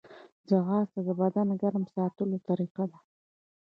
ځغاسته د بدن ګرم ساتلو طریقه ده